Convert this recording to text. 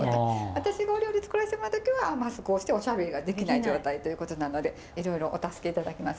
私がお料理作らせてもらう時はマスクをしておしゃべりができない状態ということなのでいろいろお助けいただきます。